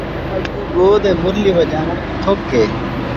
اڳوں ڳوہ دے مرلی وڄاوݨ کوں تھک اے